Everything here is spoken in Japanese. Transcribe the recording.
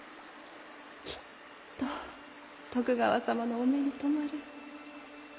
きっと徳川様のお目に留まる。